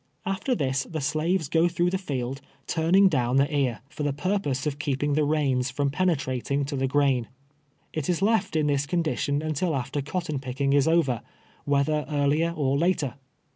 After this the slaves go through the field, turning 1V2 TWELVE YEARS A SLAVE. down tlie ear, Inr the purpose of keeping tlie rains from penetrating to tlie grain. It is left in this condi tion until after cotton picking is over, wlietlier earlier or later.